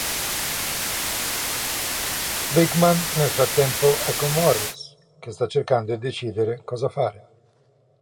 Bigman nel frattempo è con Morris, che sta cercando di decidere cosa fare.